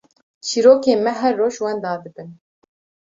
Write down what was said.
çîrokên me her roj wenda dibin.